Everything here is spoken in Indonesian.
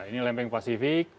ini lempeng pasifik